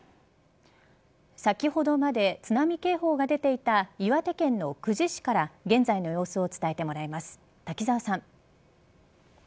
先ほどまで津波警報が出ていた岩手県の久慈市から現在の様子を伝えてもらいます。